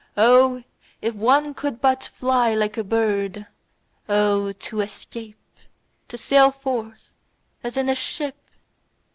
O if one could but fly like a bird! O to escape, to sail forth as in a ship!